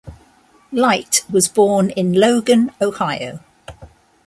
Light was born in Logan, Ohio.